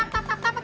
pak pak pak pak